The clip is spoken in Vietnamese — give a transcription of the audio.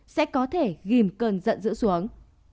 sẽ có thể ghim cơn giận dữ xuống